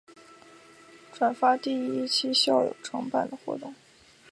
转发第一期校友承办的活动